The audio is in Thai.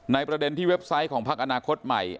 ประเด็นที่เว็บไซต์ของพักอนาคตใหม่